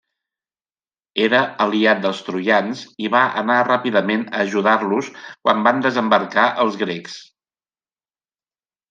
Era aliat dels troians, i va anar ràpidament a ajudar-los quan van desembarcar els grecs.